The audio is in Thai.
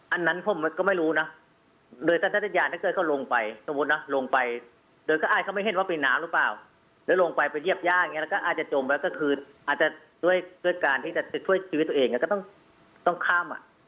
อันนั้นผมก็ไม่รู้นะโดยสัญญาณถ้าเกิดเขาลงไปสมมุตินะลงไปโดยก็อ้ายเขาไม่เห็นว่าเป็นน้ำหรือเปล่าแล้วลงไปไปเยี่ยมย่าอย่างนี้แล้วก็อาจจะจมไว้ก็คืออาจจะด้วยการที่จะช่วยชีวิตตัวเองก็ต้องข้ามอ่ะ